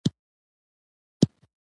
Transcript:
څلورويشت پنځويشت شپږويشت